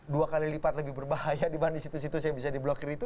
dua kali lipat lebih berbahaya dibanding situs situs yang bisa diblokir itu